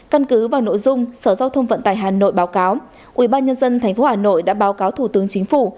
căn cứ vào nội dung sở giao thông vận tải hà nội báo cáo ubnd tp hà nội đã báo cáo thủ tướng chính phủ